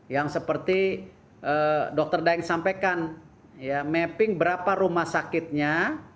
yang seperti dr daeng sampaikan mapping berapa rumah sakitnya